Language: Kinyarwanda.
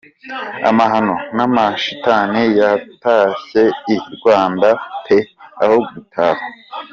Amahano n’Amashitani yatashye i Rwanda peeee, aho gutahwa